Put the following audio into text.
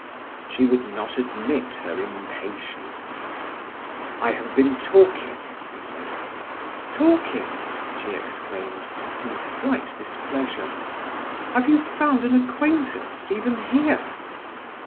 She would not admit her impatience. "I have been talking," he said. "Talking!" she exclaimed in slight displeasure. "Have you found an acquaintance even here?"